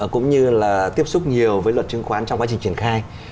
cũng như là tiếp xúc nhiều với luật chứng khoán trong quá trình triển khai